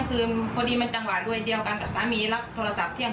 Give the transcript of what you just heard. แล้วไปฟ้องคดีสักทีละครั้ง